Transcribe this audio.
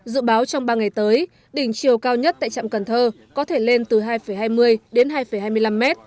dự báo trong ba ngày tới đỉnh chiều cao nhất tại trạm cần thơ có thể lên từ hai hai mươi m đến hai hai mươi năm m